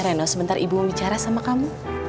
reno sebentar ibu bicara sama kamu